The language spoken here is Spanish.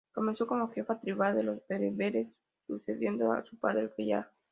Comenzó como jefe tribal de los bereberes, sucediendo a su padre Gaia.